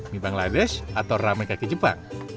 mie bangladesh atau ramen kaki jepang